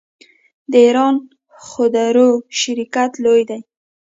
د ایران خودرو شرکت لوی دی.